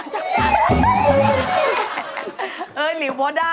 จากช้า